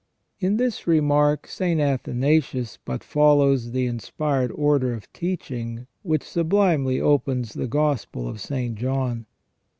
% In this remark St, Athanasius but follows the inspired order of teaching which sublimely opens the Gospel of St. John.